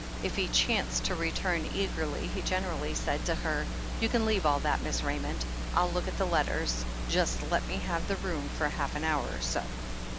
If he chanced to return early he generally said to her: "You can leave all that. Miss Raymond. I'll look at the letters — ^just let me have the room for half an hour or so."